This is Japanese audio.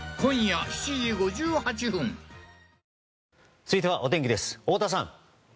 続いては、お天気です太田さん。